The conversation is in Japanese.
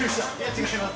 違います。